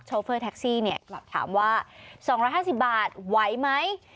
เฟอร์แท็กซี่กลับถามว่า๒๕๐บาทไหวไหม